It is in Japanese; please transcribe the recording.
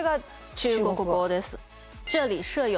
中国語です。